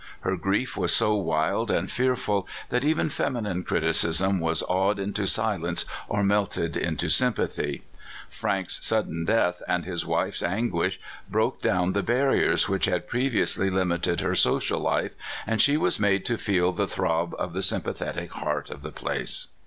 Her grief was so wild and fearful that even feminine criti cism was awed into silence or melted into sympa thy. Frank's sudden death, and his wife's anguish, broke down the barriers which had previously lim ited her social life, and she was made to feel the throb of the sympathetic heart of the place.